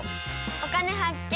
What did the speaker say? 「お金発見」。